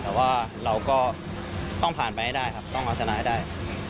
แต่ว่าเราก็ต้องผ่านไปให้ได้ครับต้องเอาชนะให้ได้